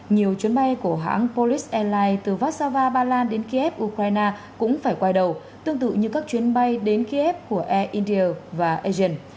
nhiều chuyến bay của hãng pois airlines từ vassava ba lan đến kiev ukraine cũng phải quay đầu tương tự như các chuyến bay đến kiev của air india và asian